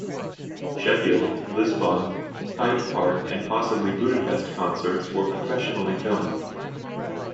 Sheffield, Lisbon, Hyde Park and possibly Budapest concerts were professionally filmed.